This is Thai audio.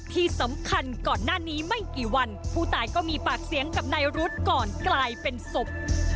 ที่สำคัญก่อนหน้านี้ไม่กี่วันผู้ตายก็มีปากเสียงกับนายรุธก่อนกลายเป็นศพ